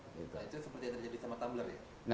nah itu seperti yang terjadi sama tumblr ya